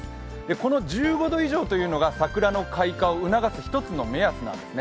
この１５度以上というのが桜の開花を促す一つの目安なんですね。